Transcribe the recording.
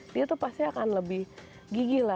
dia tuh pasti akan lebih gigi lah